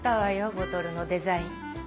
ボトルのデザイン。